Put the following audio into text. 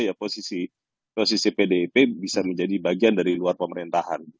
ya posisi pdip bisa menjadi bagian dari luar pemerintahan